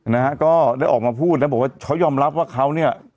นะฮะก็ได้ออกมาพูดแล้วบอกว่าเขายอมรับว่าเขาเนี่ย